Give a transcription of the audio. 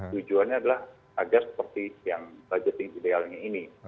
tujuannya adalah agar seperti yang budgeting idealnya ini